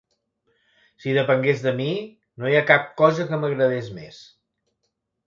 Si depengués de mi, no hi ha cap cosa que m'agradés més.